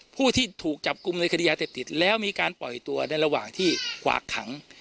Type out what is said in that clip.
ผู้ที่ถูกจับกลุ่มในคดียาเสพติดแล้วมีการปล่อยตัวในระหว่างที่กวากขัง